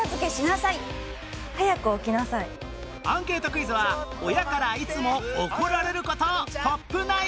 アンケートクイズは親からいつも怒られることトップ９